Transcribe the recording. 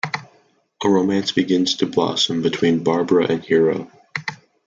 A romance begins to blossom between Barbara and Hero.